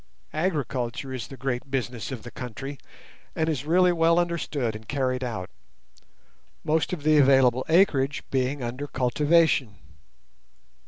Agriculture is the great business of the country, and is really well understood and carried out, most of the available acreage being under cultivation.